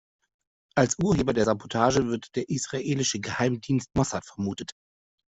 Als Urheber der Sabotage wird der israelische Geheimdienst Mossad vermutet.